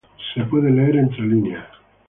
Se puede leer entre líneas.